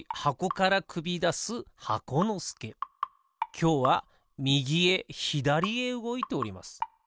きょうはみぎへひだりへうごいております。